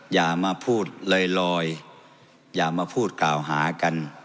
อย่ามาพูดลอยอย่ามาพูดกล่าวหากัน